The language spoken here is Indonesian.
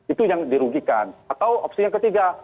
itu yang dirugikan atau opsinya ketiga